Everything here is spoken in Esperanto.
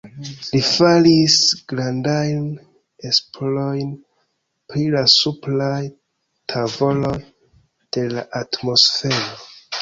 Li faris grandajn esplorojn pri la supraj tavoloj de la atmosfero.